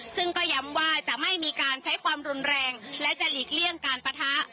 ซึ่งก็ย้ำว่าจะไม่มีการใช้ความรุนแรงและจะหลีกเลี่ยงการปะทะ